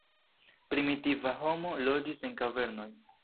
Primitiva homo loĝis en kavernoj.